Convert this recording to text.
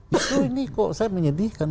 justru ini kok saya menyedihkan